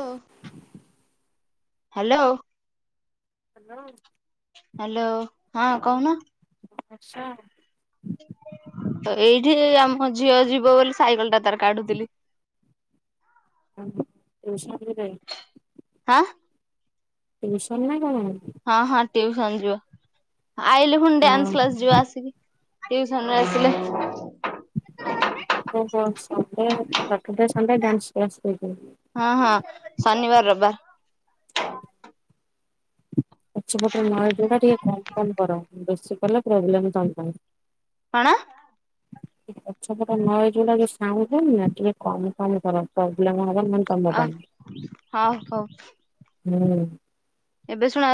ହ hello. Hello. Hello ହଁ କହୁନ। ବର୍ଷା ତ ଏଇଠି ଆମ ଝିଅ ଯିବ ବୋଲି ସାଇକେଲ ଟା ତାର କାଢୁଥିଲି। ଉହୁଁ [inaudible] ଯଷରେ ହାଁ ଟିଉସନ ନା କଣ? ହଁ ହଁ ଟ୍ୟୁସନ ଯିବ ଆଲେ ଫୁଣି ଡ୍ୟାନ୍ସ କ୍ଲାସ ଯିବ ଆସିକି। ଟ୍ୟୁସନ ରୁ ଆସିଲେ। ଓହୋ ସନ୍ଧ୍ୟା ଡେଲି ସନ୍ଧ୍ୟା ଡ୍ୟାନ୍ସ କ୍ଲାସ କରୁଛନ୍ତି। ହଁ ହଁ ଶନିବାର ରବିବାର। ପଛପଟରେ ନଈ ଜଉଟା କମ କମ କର ବେଶୀ କଲେ ପ୍ରୋବ୍ଲେମ ଜାଣିବ। କଣ? ପଛପଟ ନଈ ଜଉଟା ଜଉ ସାଉଣ୍ଡ ହଉନିନା ଟିକେ କମ କମ କର ପ୍ରୋବ୍ଲେମ ହ ଅ ହଉ ହଉ। ହୁଁ। ଏବେ ଶୁଣା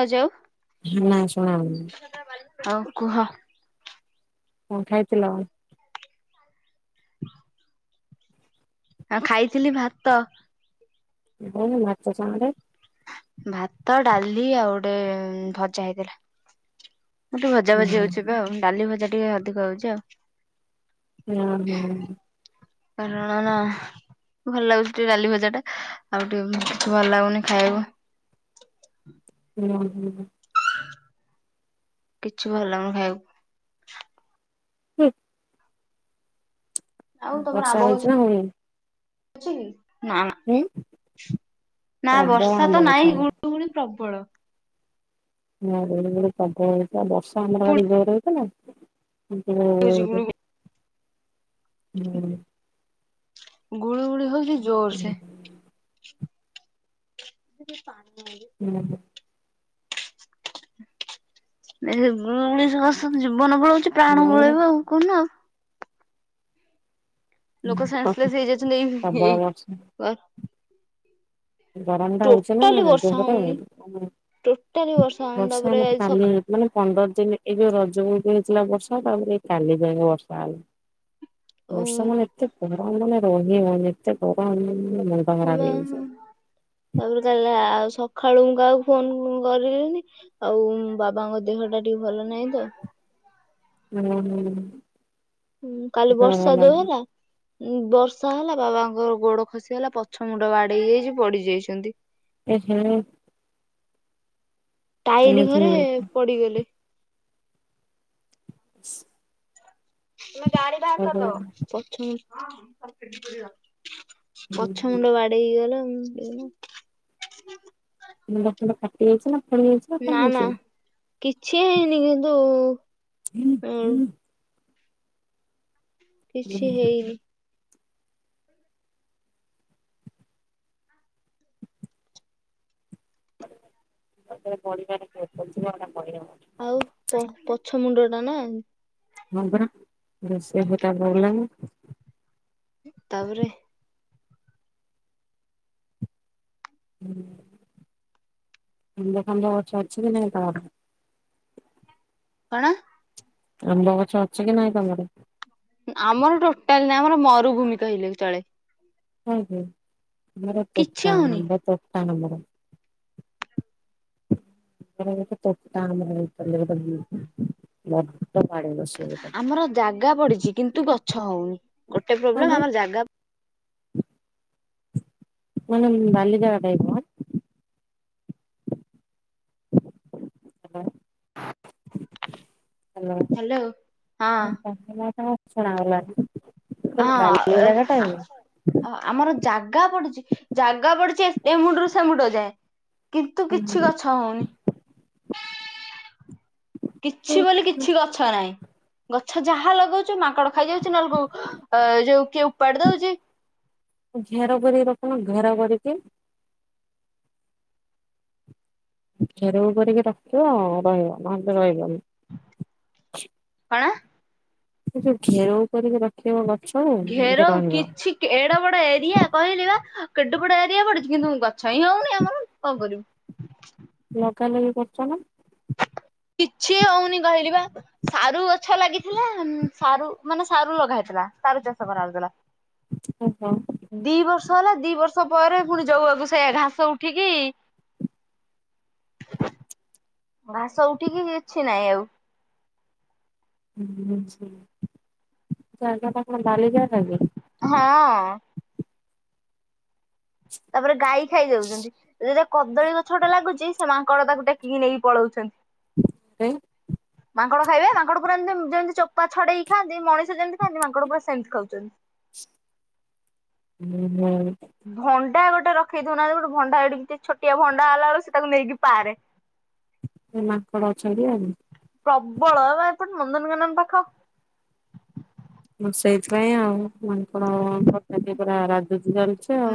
ହୁଁ ନା ଶୁଣ ଜାଉଚି ଆଉ ହଉ କୁହ। କଣ ଖାଇଥିଲ ଆଉ। ଆଉ ଖାଇଥିଲି ଭାତ। ହୁଁ ଭାତ ସାଙ୍ଗରେ? ଭାତ ଡାଲି ଆଉ ଗୋଟେ ଭଜା ହେଇଥିଲା। କିନ୍ତୁ ଭଜା ଭଜି ହୁଁ ହଉଛି ଏବେ ଆଉ ଡାଲି ଭଜା ଟିକେ ଅଧିକ ହଉଚି ଆଉ। [unintelligible] ଭଲ ଲାଗୁଚି ଟିକେ ଡାଲି ଭଜାଟା ଆଉ ଟିକେ ଭଲ ଲାଗୁନି ଖାଇବ ହୁଁ ହୁଁ। କିଛି ଭଲ ଲାଗୁନି ଖାଇବାକୁ। ହୁଁ। ଆଉ ତମର ଆମ୍ବ ବର୍ଷା ଗଛ ହେଇଛି ନା ନୁହେଁ। ନା ନା ପ୍ରବଳ ବର୍ଷା ଆମ୍ବ ତ ଗଛ ନାଇଁ ଆମର। ଗୁଳୁଗୁଳି ପ୍ରବଳ। [unintelligible] ପ୍ରବଳ ବର୍ଷା, ବର୍ଷା ଆମର ଗୁଳି ଆଡେ ଜୋର ହେଇଥିଲା ନା? ହଉଛି ଗୁଳୁ [unintelligible] ହୁଁ। ଗୁଳୁଗୁଳି ହଉଛି ଜୋର ହୁଁ ସେ ସିଏ ଯେ ପାଣି। ହୁଁ। ନାଇଁ ସେ ମୁଁ ଉଣେଇଶ ବର୍ଷରୁ ଯିବୁ। ଜୀବନ ପଳଉଛି ପ୍ରାଣ ପଳେଇବ ଆଉ କୋଉ ଦିନ ଆଉ। ଲୋକ ସେନ୍ସଲେସ୍ ହେଇଯାଇଛନ୍ତି ଏଇ ପ୍ରବଳ ଏଇ ବର୍ଷା [unintelligible] ଗରମ ଟା ହଉଛି ନା ଟୋଟାଲି ବର୍ଷା ଜୋରେ ହଉନି। ଟୋଟାଲି [unintelligible] ହଉନି ବର୍ଷା ତାପରେ ଆମେ ଆଜି କାଲି ମାନେ ପନ୍ଦର ଦିନ ଏଇ ଯୋଉ ରଜକୁ ହେଇଥିଲା ବର୍ଷା ତାପରେ ଏଇ କାଲି ଜାକେ ବର୍ଷା ହେଲା, ବର୍ଷା ସକାଳୁ ମାନେ ଏତେ ଗରମ୍ ଦିନେ ରହି ହଉନି ଏତେ ଗରମ [unintelligible] ମୁଣ୍ଡ ଖରାପ ହେଇଯାଉଚି। ତାପରେ କା ଆଉ ସକାଳୁ ମୁଁ କାହାକୁ ଫୋନ କରିଲିନି, ଆଉ ବାବାଙ୍କ ଦେହ ଟା ଟିକେ ଭଲ ନାହିଁ ତ। ହୁଁ- ହୁଁ। ହୁଁ କାଲି ବର୍ଷା ଯୋଉ ହେଲା ଉଁ ବର୍ଷା ହେଲା ଓ ହୋ। ଟାଇଲି ଘରେ ପଡିଗଲେ। ଅ [unintelligible] ପଛ ମୁଣ୍ଡ ବାଡେଇ ହେଇଗଲା ଆଉ, ଏଇଆ ଆଉ। ମୁଣ୍ଡ ଫୁଣ୍ଡ ଫାଟି ଯାଇଛି ନା? ଫଳି ଯାଇଛି କଣ ନା ନା ହେଇଛି? କିଛି ହେଇନି, କିନ୍ତୁ ଉ ହଁ କିଛି ହେଇନି। [unintelligible] ଆଉ ପ ପଛ ମୁଣ୍ଡ ଟା ନା? ହଁ ପରା ରୋଷେଇ ଘରଟା ପଇଲାନି। ତାପରେ ହୁଁ ଆମ୍ବ ଫାମ୍ୱ ଗଛ ଅଛି କି ନାଇଁ ତମର? କଣ? ଆମ୍ବ ଗଛ ଅଛି କି ନାଇଁ ତମର? ମରୁ ଭୂମି କହିଲେ ଚଳେ। ହୁଁ -ହୁଁ ଆମର କିଛି ତୋଟା ହଉନି। ଆମ୍ବ ତୋଟା ଆମର। ଆମର ଗୋଟେ ତୋଟା ଆମ୍ବ [unintelligible] ଆମର ଯାଗା ପଡ଼ିଛି କିନ୍ତୁ ଗଛ ହଉନି, ଗୋଟେ କଣ ପ୍ରୋବ୍ଲେମ ପାଇଁ ଆମର ଯାଗା ମାନେ ବାଲି ଜାଗା ଟାଇପର ହ୍ୟାଲୋ ହ୍ୟାଲୋ ହ୍ୟାଲୋ [unintelligible] ଶୁଣାଗଲାନି? ହଁ ଆମର ଜାଗା ପଡିଚି ଜାଗା ପଡିଚି ଏମୁଣ୍ଡରୁୁ ସେମୁଣ୍ଡ ଯାଏ। କିନ୍ତୁ କିଛି ଗଛ ହଉନି। କିଛି ବୋଲି କିଛି ଗଛ ନାହିଁ, ଗଛ ଯାହା ଲଗଉଛୁ ମା ମାଙ୍କଡ଼ ଖାଇଯାଉଛି ନହେଲେ କୋଉ ଆ ଯୋଉ କିଏ ଉପାଡ଼ି ଦଉଚି। ଆପଣ ଘେରା କରିକି। ଘେରଉ କରିକି ରଖିବ ରହିବ ନହେଲେ ତ ରହିବନି। କଣ? ସେ ଯୋଉ ଘେରଉ କରିକି ରଖିବ ଗ ଘେରଉ କିଛି ଏଡ ବଡ ଏରିଆ କହିଲି ବା କେଡ଼ ବଡ଼ ଏରିଆ ପଡିଛି କିନ୍ତୁ ଗଛ ହିଁ ହଉ କରିବୁ। ଲଗାଲଗି କରୁଛ ନା? କିଛି ହଉନି କହିଲି ବା ସାରୁଗଛ ଲାଗିଥିଲା ସାରୁ ମାନେ ସାରୁ ଲଗା ହେଇଥିଲା। ସାରୁ ଚାଷ କରାହଉଥିଲା ଓହୋ। ଦିବର୍ଷ ହେଲା ଦିବର୍ଷ ପରେ ପୁଣି ଯଉ ଆକୁ ସେୟା ପୁଣି ଘାସ ଉଠିକି। [inaudible] ଘାସ ଉଠିକି କିଛିନାହିଁ ଆଉ। ଉଁ ସେଇ ଯାଗା ଟା କଣ ବାଲିି ଯାଗା କି? ହଁ। ତାପରେ ଗାଈ ଖାଇଯାଉଛନ୍ତି ରେ ରେ କଦଳୀ ଗଛଟା ଲାଗୁଛି ସେ ମାଙ୍କଡ ତାକୁ ଟେକିକି ନେଇକି ପଳଉଛନ୍ତି। ଆରେ। ମାଙ୍କଡ ଖାଇବେ ମାଙ୍କଡ଼ ପୁରା ଏମିତି ଯେମିତି ଚୋପା ଛଡେଇକି ଖାଆନ୍ତି ମଣିଷ ଯେମିତି ଖାଆନ୍ତି ମାଙ୍କଡ ପୁରା ସେମିତି ଖାଉଛନ୍ତି। [inaudible] [unintelligible] ଭ ଭଣ୍ଡା ଗୋଟେ ରଖେଇ ଦଉନାହାନ୍ତି ଗୋଟେ ଭଣ୍ଡା ଏଡିକି ଟେ ଛୋଟିଆ ଭଣ୍ଡା ହେଲା ବେଳକୁ ସେ ତାକୁ ନେଇିକି ପାରେ। ଏ ମାଙ୍କଡ ଅଛନ୍ତି ଆଉ। ପ୍ରବଳ ପା ଏପଟେ ନନ୍ଦନକାନନ ପାଖ। ମୁଁ ସେଇଥିପାଇଁ ଆଉ ମାଙ୍କଡ଼ ପକେଇକି ପୁରା ରାଜୁ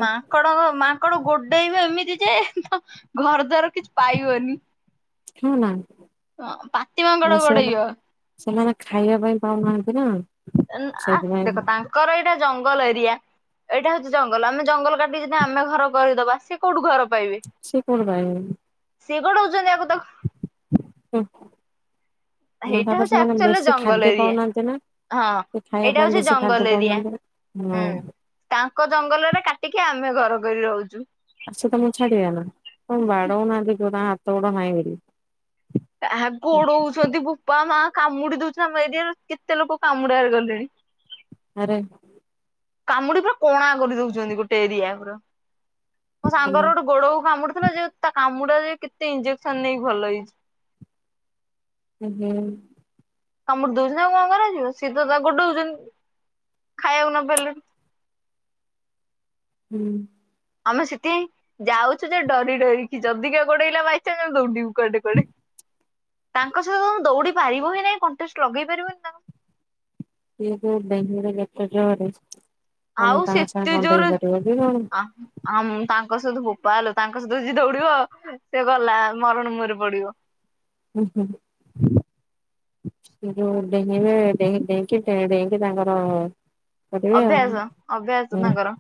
ମାଙ୍କଡ କ ମାଙ୍କଡ ଗୋଡେଇବେ ଏମି ତି ଯେ ତ ଘରଦ୍ୱାର କିଛି ପାଇବନି। ହୁଁ ନା। ହଁ ମାନେ ପାତିମାଙ୍କଡ଼ ସେମାନେ ଗୋଡ଼େଇବ। ସେମାନେ ଖାଇବା ପାଇଁ ପାଉନାହାନ୍ତି ନା। ଏନ ଆ ସେଇଥିପାଇଁ ଦେଖ ତାଙ୍କର ଏଇଟା ଜଙ୍ଗଲ ଏରିଆ ଏଇଟା ହଉଛି ଜଙ୍ଗଲ ଆମେ ଜଙ୍ଗଲ କାଟି ବି ଯଦି ଆମେ ଘର କରିଦବା ସିଏ କୋଉଠୁ ଘର ସେ କଉଠୁ ପାଇବେ? ସେ ଗୋଡଉଛନ୍ତି ଆ ହୁଁ ହେଇଟା ତାପରେ ହଉଛି ସେମାନେ ଆକଚୁଆଲିରେ ବେଶୀ ଜଙ୍ଗଲ ଖାଦ୍ୟ ଏରିଆ। ପାଉନାହାନ୍ତି ନା। ହଁ ସେ ଖାଇବା ଏଇଟା ପାଇଁ ହଉଛି ବେଶୀ ଖାଦ୍ୟ ଜଙ୍ଗଲ ଏରିଆ ପାଉନାହାନ୍ତି। ହଁ ହୁଁ ତାଙ୍କ ଜଙ୍ଗଲରେ କାଟିକି ଆମ ଆମେ ଘର କରି ରହୁଛୁ। ଆଉ ସେ ତମକୁ ଛାଡିବେ ନା ଆଉ ବାଡ଼ଉ ନାହାନ୍ତି କୁହ ତାଙ୍କ ହାତ ଗୋଡ ନାହିଁ ବୋଲି। ଆହା ଗୋଡଉଛନ୍ତି ବୋପା ମା। କାମୁଡ଼ି ଦଉଛନ୍ତି ଆମ ଏରିଆର କେତେ ଲୋକ କାମୁଡ଼ାରେ ଗଲେଣି। ଆରେ। କାମୁଡି ପୁରା କଣା କରି ଦଉଛନ୍ତି ଗୋଟେ ଏରିଆ ପୁରା। ମୋ ଭଲ ସାଙ୍ଗର ଗୋଟେ ଗୋଡକୁ କାମୁଡିଥିଲା ଯେ ତା କାମୁଡା ଯେ କେତେ ଇଞ୍ଜେକ୍ସନ ନେଇକି ଭଲ ହେଇଛି। ଉଁ ହୁଁ। କାମୁଡି ଦଉଛି ନା ଆଉ କଣ କରାଯିବ ସିଏ ତା ଗୋଡଉଛନ। ଖାଇଆକୁ ନ ପାଇଲେ। ହୁଁ। ଆମେ ସେଥିପାଇଁ ଯାଉଛୁ ଯେ ଡରି ଡରିକି ଯଦିି କିଏ ଗୋଡେଇଲା ବାଇଚାନ୍ସ ଆମେ ଦୌଡିବୁ। କ୍ୱାଡ଼େ କୁଆଡ଼େ। ତାଙ୍କ ସହିତ ଦୌଡି ପାରିବୁ ହିଁ ନାଇଁ କଣ୍ଟେଷ୍ଟ ଲଗେଇ ପାରିବୁନି ତାଙ୍କ। [unintelligible] ତମେ ତାଙ୍କ ସାଙ୍ଗେ ଆଉ କଣ ସେ ଏତେ ଜୋର ଡେଇଁପାରିବ କି କଣ? ଆ ଆମ ତାଙ୍କ ସହିତ ବୋପା ଲୋ ତାଙ୍କ ସହିତ ଯିଏ ଦୌଡିବ ସେ ଗଲା ମରଣ ମୁହରେ ପଡିବ। ହୁ ହୁ। ଯୋଉ ଡେଇଁରେ ଡେଇଁ ଡେଇଁକି ଡେଇଁ ଡ଼େଇଁକି ତାଙ୍କର ପଦିବ ଆ ଅଭ୍ୟାସ ଅଭ୍ୟାସ ହୁଁ। ତାଙ୍କର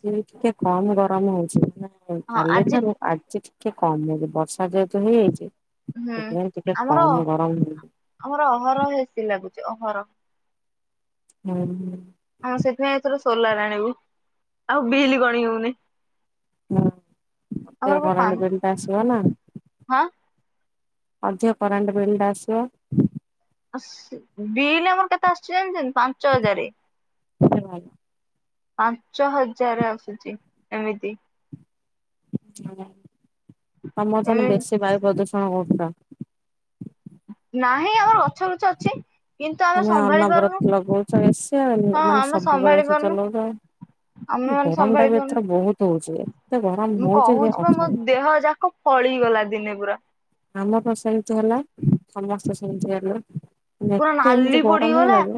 ଟିକେ କମ ଗରମ ହଉଛି ନା? ହଁ କାଲେ ଆଜି ଧ ର ଆଜି ଟିକେ କମ ହେ ବର୍ଷା ଯେହେତୁ ହେଇଯାଇଛି। ହୁଁ ସେଥିପାଇଁ ଟିକେ ଆମର କମ ଗରମ ହଉଛି। ଆମର ଅହର ବେଶୀ ଲାଗୁଛି ଅହର। ହୁଁ। ହଁ ସେଥିପାଇଁ ଏଥର ସୋଲାର ଆଣିବୁ ଆଉ ବିଲ ଗଣି ହଉନି? ହୁଁ ମତେ ଆମର ପା ପା ବରାଣ ଦେମ ଟା ଆସିବ ନା? ହଁ ଅଜି କରେଣ୍ଟ ବିଲ ଟା ଆସିବ। ବିଲ୍ ଆମର କେତେ ଆସିଛି ଜଛନ୍ତି ପାଞ୍ଚ ହଜାର। ହେ ଭାଇ। ପାଞ୍ଚ ହଜାର ଆସୁଛି ଏମିତି। ତମର ତାହଲେ ଏମି ବେଶୀ ବାୟୁ ପ୍ରଦୂଷଣ କରୁଛ। ନାହିଁ ଆମର ଗଛ ଲୁଛ ଅଛି। କିନ୍ତୁ ଆମେ ତମେ ସମ୍ଭାଳି ଅନବରତ ପାରୁନୁ ଲଗଉଛ ଏସି ହଁ ମାନେ ଆମେ ସବୁବେଳେ ସମ୍ଭାଳି ଏସି ପାରୁନୁ। ଚଲଉଛ। ଆମେ ମାନେ ଗରମ ଟା ବି ଏଥର ସମ୍ଭାଳିଛନୁ ବହୁତ ହଉଛି ଏତେ ଗରମ ମୁଁ ହଉଛି ଯେ କହୁଛି ପା ମୋ ଅସମ୍ଭବ। ଦେହ ଯାକ ଫ ଫଳିଗଲା ଦିନେ ପୁରା। ଆମ ତ ସେମତି ହେଲା ସମସ୍ତେ ସେମିତି ହେଲା। ପୁରା ଏତେ ନାଲି ଏମିତି ଗରମ ପଡିଗଲା ଯେ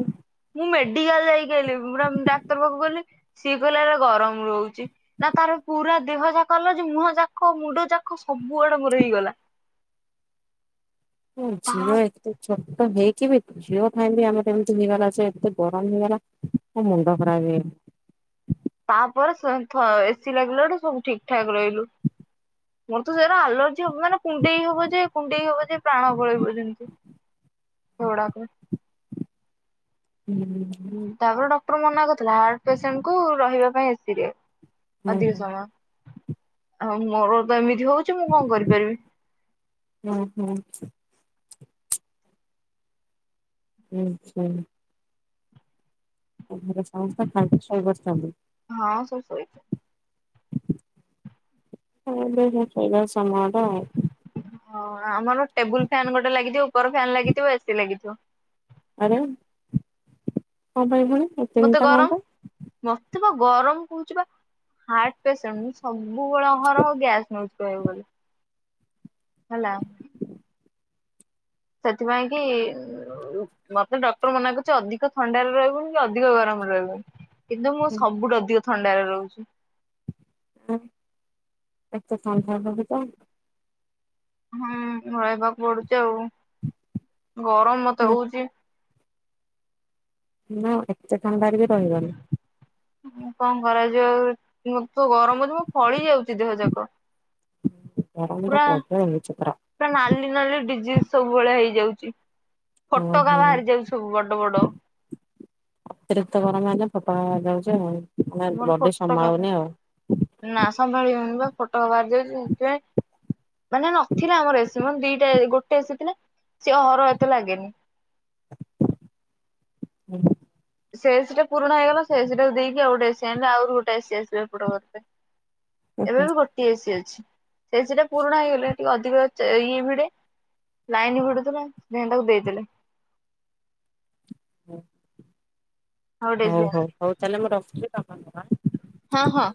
ମୁଁ ମେଡିକାଲ ଯାଇକି ଆଲି ପୁରା ଡାକ୍ତର ପାଖକୁ ଗଲି ସିଏ କହଲେ ଗରମ ରହୁଛି ନା ତାର ପୁରା ଦେହ ଯାକ ମୁହଁ ଯାକ ମୁଣ୍ଡ ଯାକ ସବୁଆଡେ ମୋର ହେଇଗଲା। ତା ଆଝିଓ ଏକ ତଛ ତ ହେଇକି ବି ଝିଅ ଖାଇବି ଆମର ଏମିତି ହେଇଗଲା ଯେ ଏତେ ଗରମ ହେଇଗଲା। ମୁ ମୁଣ୍ଡ ଖରାପ ହେ ତାପରେ ସ ଥ ଏସି ଲାଗିଲା ଠୁ ସବୁ ଠିକ ଠାକ୍ ରହିଲୁ। ମୁର୍ତୁ ସେରା ଆଲ ମାନେ କୁଣ୍ଡେଇ ହବ ଯେ କୁଣ୍ଡେଇ ହବ ଯେ ପ୍ରାଣ ପଳେଇବ ଯେମିତି। [unintelligible] ହୁଁ। ଟର ମନା କରିଥିଲା ହାର୍ଟ ପେସେଣ୍ଟ କୁ ରହିବା ପାଇଁ ଏସିରେ ଅଧିକ ସମୟ। ଆଉ ମୋର ତ ଏମିତି ହଉଛି ମୁଁ କଣ କରିପାରିବି? ହୁଁ ହୁଁ ଆଛା। ଏ ଘରେ ସମସ୍ତେ ଖାଇକି ସୋଇ ପଡିଛନ୍ତି। ହଁ ସବୁ ଶୋଇଛି [unintelligible] ହଁ ଆମର ଟେବୁଲ ଫ୍ୟାନ ଗୋଟେ ଲାଗିଚି ଉପର ଫ୍ୟାନ୍ ଲାଗିଥିବ ଏସି ଲାଗିଥିବ। ଆରେ କଣ ପାଇଁ ପୁଣି ମତେ ତିନିଟା ଗରମ କଣ ପାଇଁ। ମତେ ଗରମ କହୁଛି ବା ହାର୍ଟ ପେସେଣ୍ଟ ସବୁବେଳେ ଅହରହ ଗ୍ୟାସ ନଉଛି। କ ହେଲା। ସେଥିପାଇଁ କି ମତେ ଡକ୍ଟର ମନା କରିଛି ଅଧିକ ଥଣ୍ଡାରେ ରହିବୁନି କି ଅଧିକ ଗରମରେ ରହିବୁନି। କିନ୍ତୁ ମୁଁ ପାଇଁ? ସବୁଠୁ ଅଧିକ ଥଣ୍ଡାରେ ରହୁଛି। ଆ ଏତ ସଥା ଭାାବି ତ। ହୁଁ ରହିବାକୁ ପଡୁଛି ଆଉ ଗରମ ମତେ ହଉଚି। ନା ଏତେ ଥଣ୍ଡାରେ ବି ରହିବନି। କଣ କରାଯିବ ଆ ତୁ ଗରମ ଅଛି ମୁଁ ଫଳି ଯାଉଛି ଦେହ ଯାକ। ହଁ। ପୁରୁରା ପୁରା ନଲି ନଲେ ଡିଜିସ୍। ସବୁବେଳେ ହେଇଯାଉଛି ଓ ଫୋଟକା ହୋ ବାହାରି ଯାଉଛି ସବୁ ବଡ ବଡ। ଅତିରିକ୍ତ ବର ମାନେ ଫୋପା ଯାଉଛି ଆଉ। ମାନେ ମୋର ବଡି ଫୋଟ କା ସମ୍ଭାଳୁନି ଆଉ। ନା ସମ୍ଭାଳିିବନି ବା ଫୋଟୋକା ବାହାରି ଯାଉଛି ସେଥି ପାଇ ମାନେ ନଥିଲା ଆମର ଏସି ମେ ଦିଟା ଗୋଟେ ଏସି ଥିଲା ସିଏ ଅର ଏତେ ଲାଗେନି। ହୁଁ ସେ ଏସି ଟା ପୁରୁଣା ହେଇଗଲା ସେ ଏସିଟାକୁ ଦେଇକି ଆଉ ଗୋଟେ ଏସି ଆଇଲୁ ଆହୁରି ଗୋଟେ ଏସି ଆସିବ ହେପଟ ଘର ପାଇଁ ଏବେ ହୁଁ। ବି ଗୋଟିଏ ଏସିି ଅଛି ସେ ଏସି ଟା ପୁରୁଣା ହେଇଗଲେ ଟିକେ ଅଧିକ ଇଏ ଭିଡେ ଲାଇନ ଭିଡୁଥିଲା ସେ ତାକୁ ଦେଇଦେଲେ। ହଁ ଆଉ ଗୋଟେ ହଉ ଏସି ହଉ ଆଣିଲେ ହଉ ତାହେଲେ ମୁଁ ରଖଛିି କାମ ହଁ ହଁ।